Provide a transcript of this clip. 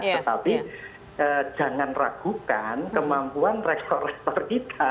tetapi jangan ragukan kemampuan rektor rektor kita